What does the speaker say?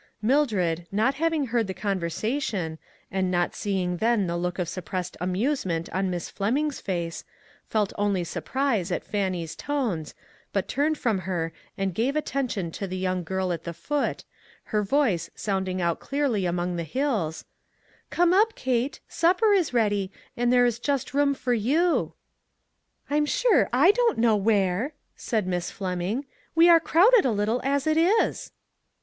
M Mildred, not having heard the conversa tion, and not seeing then the look of sup pressed amusement on Miss Fleming's face, felt only surprise at Fannie's tones, but turned from her and gave attention to the young girl at the foot, her voice sounding out clearly among the hills :" Come up, Kate ; supper is ready, and there is just room for you." " I'm sure I don't know where !" said Miss Fleming; "we are crowded a little as it is."